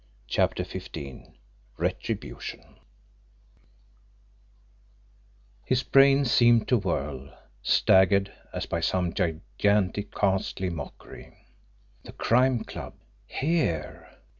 CHAPTER XV RETRIBUTION His brain seemed to whirl, staggered as by some gigantic, ghastly mockery. The Crime Club! HERE!